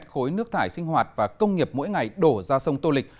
khối nước thải sinh hoạt và công nghiệp mỗi ngày đổ ra sông tô lịch